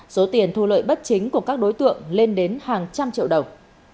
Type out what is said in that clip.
số tiền thu lợi bất chính của các đối tượng lên đến hàng trăm triệu đồng